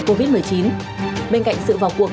covid một mươi chín bên cạnh sự vào cuộc